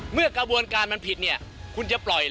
เมื่อกระบวนการมันผิดเนี่ยคุณจะปล่อย